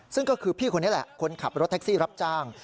ซึ่งก็คือพี่คนนี้แหละคนขับรถแท็กซี่รับจ้าง